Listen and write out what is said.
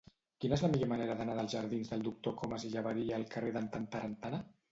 Quina és la millor manera d'anar dels jardins del Doctor Comas i Llaberia al carrer d'en Tantarantana?